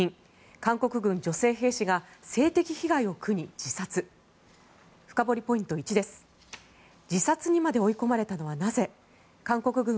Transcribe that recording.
韓国軍女性兵士が性的被害を苦に自殺。